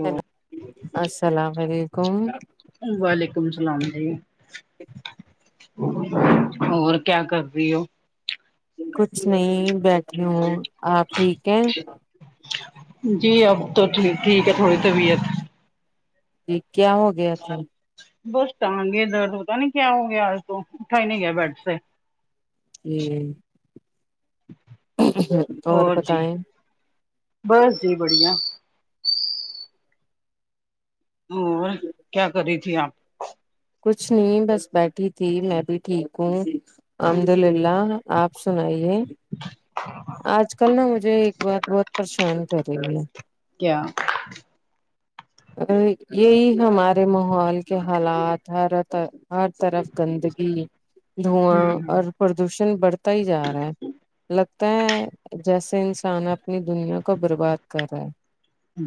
Hello السلام و علیکم وعلیکم السلام جی اور کیا کری ہو کچھ نہیں بیٹھی ہوں اپ ٹھیک ہیں جی اب تو ٹھیک ہے تھوڑی طبیعت جی کیا ہو گیا تھا بس ٹانگے درد پتا نہیں کیا ہو گیا آج تو اٹھا ہی نہیں گیا بیڈ سے ہوں اور جی بس جی بڑھیا اور کیا کری تھی آپ کچھ نہیں بس بیٹھی تھی میں بھی ٹھیک ہوں الحمد للہ آپ سنائیے آج کل نا مجھے ایک بات بہت پریشان کر رہی ہے کیا یہی ہمارے ماحول کے حالات ہر ہر طرف گندگی دھواں ہ اور پردوشن بڑھتا ہی جا رہا ہے لگتا ہے جیسے انسان اپنی دنیا کو برباد کر رہا ہے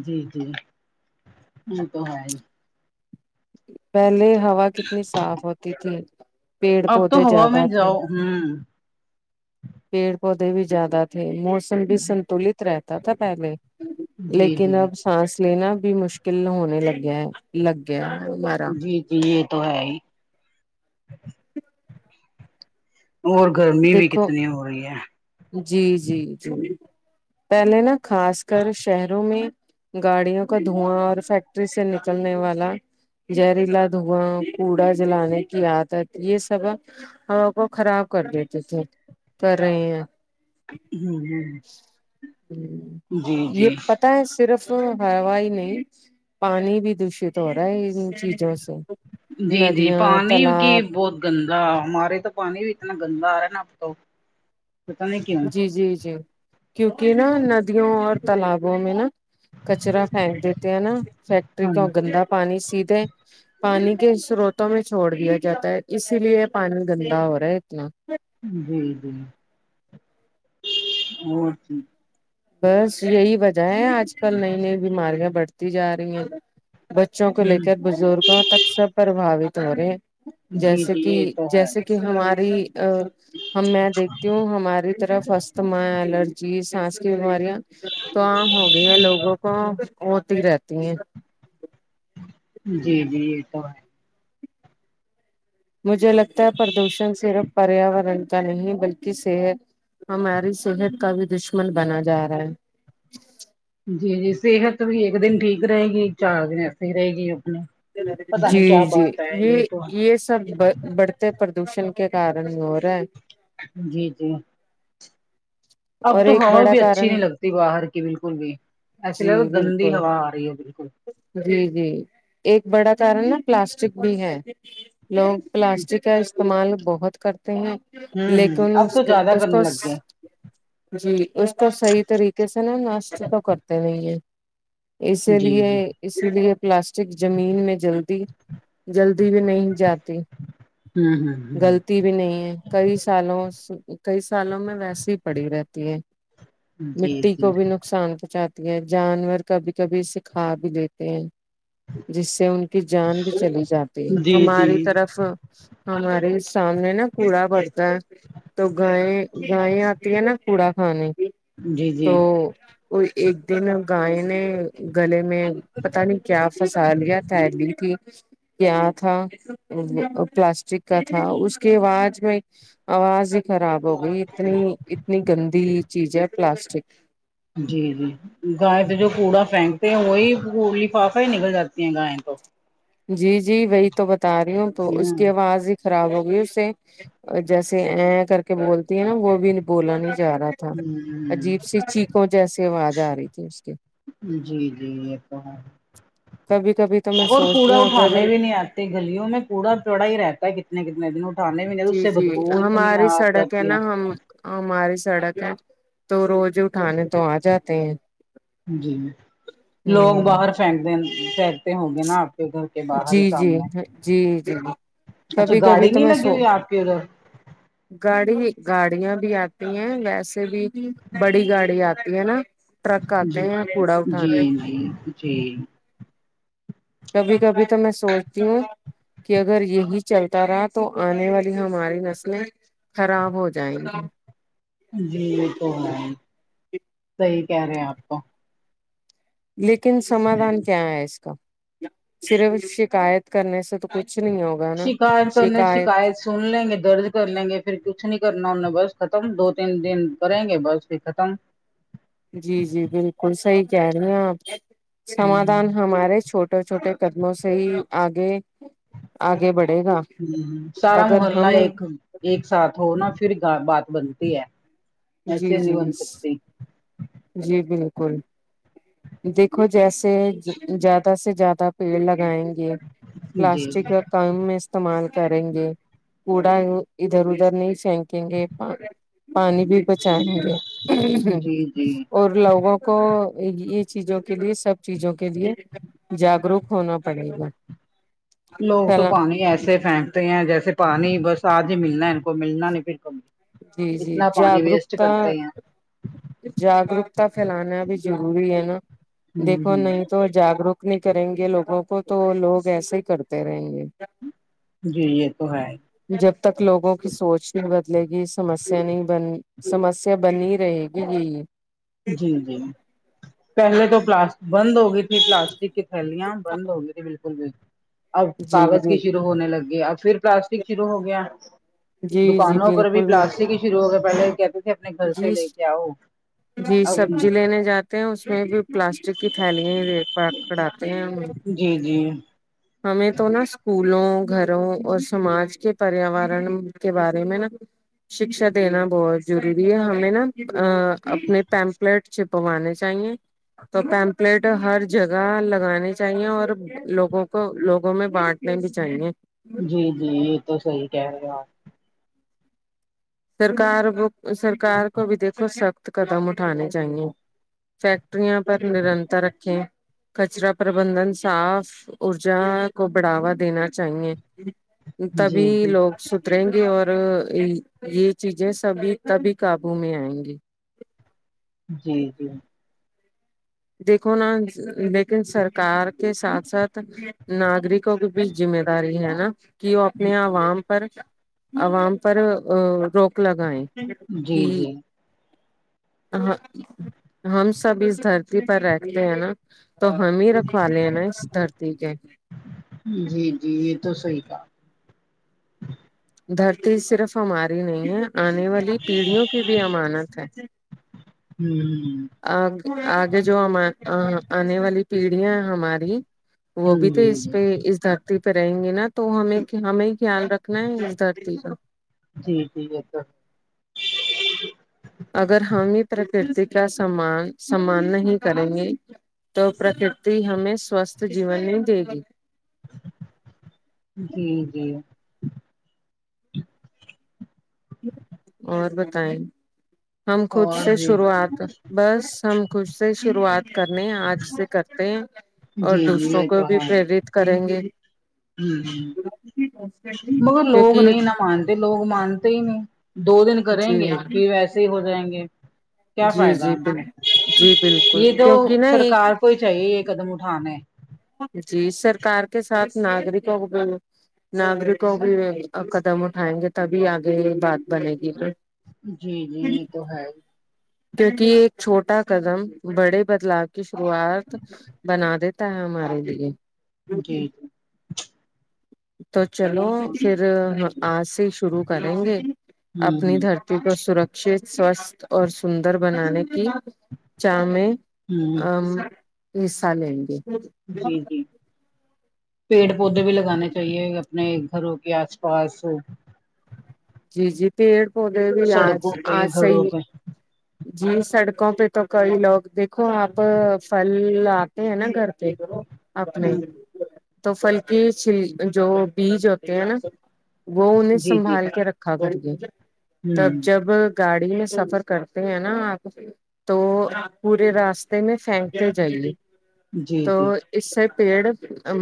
جی جی وہ تو ہے ہی پہلے ہوا کتنی صاف ہوتی تھی پیڑ اب تو پودے ہوا زیادہ میں تھے جاؤ ہوں پیڑ پودے بھی زیادہ تھے مو بھی سنتلت رہتا تھا پہلے جی لیکن جی اب سانس لینا بھی مشکل ہونے لگیا ہے لگ گیا ہے ہمارا جی یہ تو ہے ہی اور گرمی بھی دیکھو کتنی ہو رہی ہے جی جی جی پہلے نا خاص کر شہروں میں گاڑیوں کا دھواں اور فیکٹری سے نکلنے والا جہریلا دھواں کوڑا جلانے کی عادت یہ سب ابو خراب کر دیتے تھے کرر رہے ہیں ہوں ہ جی یہ جی پتا ہے صرف ہوا ہی نہیں پانی بھی دشت ہو رہا ہے ان چیزوں سے جی جی ندیاں پانی کی تالاب بہت گندا ہمارے تو پانی بھی اتنا گندا آ رہا ہے نا اب تو پتا نہیں کیا جی جی جی کیونکہ نا ندیوں اور تالابوں میں نا کچرا پھینک دیتے ہیں نا فیکٹری ہاں کو گندا پانی سی دے پانی کے سروتوں میں چھوڑ دیا جاتا ہے اسی لیے پانی گندا ہو رہا ہے اتنا جی جی اور بس یہی وجہ ہے آج کل نئی نئی بیماریاں بڑھتی جا رہی ہیں بچوں کو لے کر بزرگوں تک سب پرباوت ہو رہے جیسے جی کہ یہ تو ہے جیسے کہ کہ ہماری ہم میں دیکھتی ہوں ہماری طرف تما الرجی سانس کی بیماریاں تو عام ہو گئی ہیں لوگوں کو تی رہتی ہیں جی جی یہ تو مجھے لگتا ہے پردوشن صرف پریاورن کا نہیں بلکہ صحت ہماری صحت کا بھی دشمن بنا جا رہا ہے جی جی صحت بھی ایک دن ٹھیک رہے گی چار دن ایسے ہی رہے گی اپنی جی جی یہ یہ سب بڑھتے پردوشن کے کارن ہو رہا جی جی اب اور تو ایک ہوا بڑا بھی اچھی کارن نہیں لگتی باہر کی بالکل بھی ایسے جی لے گندی بالکل ہوا آ رہی ہے بالکل جی جی ایک بڑا کارن نا پلاسٹک بھی ہے لوگ پلاسٹک کا استعمال بہت کرتے ہیں ہوں لیکن ہ اب اس تو کے زیادہ اس کرنے کو لگ گئے جی اس کو صحیح طریقے سے نا نشٹ تو کرتے نہیں ہیں اسی جی لیے جی اسی لیے پلاسٹک زمین میں جل دی جلدی بھی نہیں جاتی ہوں ہ گغلط ہ بھی نہیں ہے کئی سالوں کئی سالوں میں ویسے ہی پڑی رہتی ہے جی مٹی جی کوبھی ن نقصان پہنچ اتی ہے جانور کبھی کبھی سکھا بھی دیتے ہیں جس سے ان کی جان بھی چلی جاتی ہے جی ہماری جی طرف ہمارے سامنے نا کوڑا پڑتا ہے تو گائے گائیں ہے نا کوڑا کھانے کی جی جی تو ایک دن گائے نے گلے میں پت نہیں کیا فسال یا تھیلی تھی م کیا تھا پلاسٹک کا تھا اس کے آواز میں آواز ہی خراب ہو گئی اتنی اتنی گندی چیز ہے پلاسٹک جی جی گائے پہ جو کوڑا پھینکتے ہیں وہیڑ لفافے ہی نکل جاتی ہیں گائےیں تو جی جی وہی تو بتا رہی ہوں تو اس کی آواز ایک خراب ہوگئی اس سے جیسے ا کر کے بولتی ہے نا وہ بھی بولا نہیں جا رہا تھا ہ عجیب سی چییکوں جیسی آواز آ رہی تھی اس کی جی جی یہ تو ہے کبھی کبھی تو میں اور سوچتی کوڑا ہوں اگر اٹھانے بھی نہیں آتے تے گلیوں میں کوڑا چڑا ہی رہتا ہے کتنے کتنے دنوں اٹانے بھی نہیں اس جی سے جی بدبوت نہیں ہماری آ سڑک جاتی ہے نا ہم ہماری سڑک ہے تو روز اٹھانے تو آ جاتے ہیں جی لوگ ہ باہر فنک دے فنک ہ گے نا آپ کے گھر کے باہر جی ہی جی سامنے جی جی اچھا کبھی کبھی گاڑی تو نہیں میں سو لگی ہوئی آپ کے ادھر گاڑی گاڑیاں بھی آتی ہیں ویسے بھی بڑی گاڑی آتی ہے نا ٹرک آتے جی ہیں کوڑا اٹھانے جی جی کبھی کبھی تو میں سوچتی ہوں کہ اگر یہی چلتا رہا تو آنے والی ہماری نسلیں خراب ہو جائیں گی جی یہ تو ہے صحیح کہہ رہے ہیں آپ تو لیکن سمادھان کیا ہے اس کا صرف شکایت کرنے سے تو کچھ نہیں ہوگا نا شکایت کرنے شکایت شکھائے سن لیں گے درد کر لیں گے پھر کچھ نہیں کرنا انیں بس ختم دو تین دن کریں گے بس پھر ختم جی جی بالکل صحیح کہہ رہی ہیں آپ ہوں، سمادھان ہمارے چھوٹ چھوٹے چھوٹے قدموں سے ہی آگے آگے بڑھے گا یوں یوں سارا اگر محلہ ہم ایک ایک ساتھ ہو نا پھر بات بنتی ہے ایسے جی نہیں جی بن سکتی جی بالکل دیکھو جیسے زیادہ سے زیادہ پیڑ لگائیں گے جی جی پلاسٹک کام میں استعمال کریں گے کوڑا ادھر ادھر نہیں پینگیں گے پانی بھی بچائیں گے اور جی جی اور لوگوں کو یہ چیزوں کے لیے سب چیزوں کے لیے جاگروک ہونا پڑے گا لوگ تو پانی ایسے پھینکتے ہیں جیسے پانی بس آج ہی ملنا ہے ان کو ملنا نہیں پھر کبھی جی جی اتنا پانی ویسٹ جاگروکتا کرتے ہیں جاگروکتا پھیلانا بھی ضروری ہے نا ہ دیکھو ہ نہیں تو جاگرک نہیں کریں گے لوگوں کو تو لوگ ایسے ہی کرتے رہیں گے جی یہ تو ہے جب تک لوگوں کی سوچ نہیں بدلے گی سمسیا نہیں بن سمسیا بنی رہے گی یہ ہی جی جی پہلے تو پلاسٹ بند ہوگی تھی اپنی پلاسٹک کی تھیلیاں بند ہوں گئی بالکل بھی اب جی کاغذ کی جی شروع ہونے لگ گی اب پھر پلاسٹک شروع ہو گیا جی جی دکانوں پر بھی بالکل پلاسٹک ہی شروع ہو گیا پہلے کہتے تھے اپنے گھر سے جی لے کے آؤ جی اب سبزی نہیں لینے جاتے ہیں اس میں بھی پلاسٹک کی تھیلیاں پکڑاتے ہیں ہمیں جی جی ہمیں تو نا اسکولوں گھروں اور سماج کے پریاورن کے بارے میں نا شکشا دینا بہت ضروری ہے ہمیں نا اپنے پیمپلیٹ چھپوانے چاہیے تو پیمپلیٹ ہر جگہ لگانی چاہیے اور لوگوں کو کو لوگوں میں بانٹنے بھی چاہیے جی جی یہ تو صحیح کہہ رہے ہو آپ سرکار کو سرکار کو بھی دیکھو سخت قدم اٹھانے چاہیے فیکٹریاں پر نرنتر رکھیں کچرا پربندھن صاف اور جھاڑ کو بڑھاوا دینا چاہیے جی تبھی جی لوگ سدھریں گے اور یہ چیزیں سبھی تبھی قابو میں آئیں گی جی جی دیکھو نا لیکن سرکار کے ساتھ ساتھ ناگرک کو بھی زمےداری ہے نا کہ وہ اپنے عوام پر عوام پر روک لگائیں جی کہ جی ہم سب اس دھرتی دتی پر رہتے ہیں نا تو ہم ہی رکھوا لے ہیں نا اس دھرتی کے جی جی یہ تو صحیح کہا دھرتی صرف ہماری نہیں ہے آنے والی پیڑھیوں کی بھی امانت ہے ہوں آ آگے جو ہم آنے والی پیڑھیاں ہماری وہ بھی ہوں تو جی اس جی پہ اس دھر دتی پہ رہیں گے نا تو ہمیں ہمیں ہی خیال رکھنا ہے اس دھرتی کا جی ٹھیک ہے پر اگر ہم ہی پرکرتی کا سمان سمان نہیں کریں گے تو پرکرتی ہمیں سوستھ جیون نہیں دے گی جی جی اور بتائیں ہم خود اور سے جی شروعات بس ہم خود سے شروعات کرنے آج سے کرتے ہیں اور جی جی دوسروں یہ کو بھی پریرت خت کریں گے ہ ہ مگر لوگ کیونکہ یہ نہیں نا مانتے لوگ مانتے ہی نہیں دو دن کریں گے جی پھر ویسے ہی ہو جائیں گے کیا جی فائدہ جی ان بال کو جی بالکل یہ جو کیونکہ نا ایک سرکار کو ہی چاہیے یہ قدم اٹھانے جی سرکار کے ساتھ ناگرکوں ناگرکوں بھی قدم اٹھائیں گے تبھی آگے یہ بات بنے گی جی جی یہ تو ہے کیونکہ یہ ایک چھوٹا قدم بڑے بدلاؤ کی شروعات بنا دیتا ہے ہمارے لیے ہی۔ جی جی تو چلو ہوں پھر آجسے شروع کریں گے ہ اپنی دھرتی کو سرکشت سوستھ اور سندر بنانے کی چاہ میں ہ ا حصہ لیں گے جی جی پیڑ پودے بھی لگانے چاہیے اپنے گھروں کے آس پاس جی جی پیڑ پودے بھی آج سڑکوں پہ آج گھروں صحی پہ جی سڑکوں پہ تو کئی لوگ دیکھو آپ پھل آتے ہیں نا گھر پہ اپنے ہ تو پھل کے جو چھل بیج ہوتے ہیں نا وہ انہیں جی جی سنبھال کے رکھا کر کے تب ہ جب گاڑی میں سفر کرتے ہیں نا آپ تو پورے راستے رستے میں پھینکتے جائیے جی تو جی اس سے پیڑ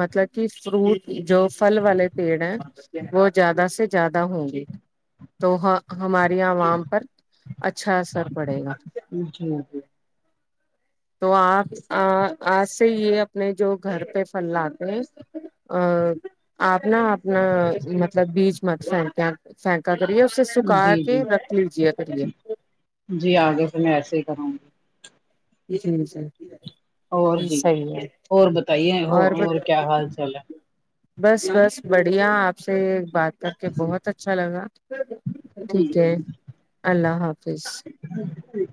مطلب کہ فروٹ جو فھل والے پیڑ ہیں وہ زیادہ سے زیادہ ہوں گی تو ہماری عوام پر اچھا اثر پڑے گا جی جی جی تو آپ آج سے یہ اپنے جو گھر پہ پھل لاتے ہیں آہ آپ نا اپنا مطلب بیج مت فھیک فینکا کریے پھر جی سکا جی کے جی رکھ لیجیے کرریے جی آگے میں ایسے ہی کروں گی جچ نچ ج ج ہے [unintelligible] اور جی اور بتائیے اور کیا حال چال ہے بس بس بڑھیا آپ سے بات کر کے بہت اچھا لگا جی ٹھیک ہے اللہ حافظ جی ٹھیک